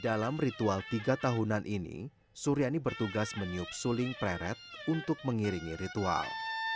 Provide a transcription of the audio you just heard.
dalam ritual tiga tahunan ini suryani bertugas meniup suling pleret untuk mengiringi ritual